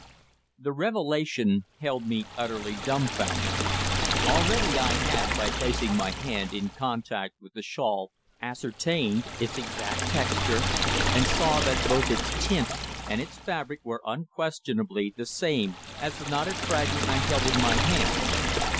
The revelation held me utterly dumfounded. Already I had, by placing my hand in contact with the shawl, ascertained its exact texture, and saw that both its tint and its fabric were unquestionably the same as the knotted fragment I held in my hand.